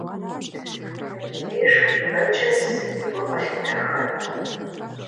Мыбдеж бэджым зыми гу къылъитэхэнукъым.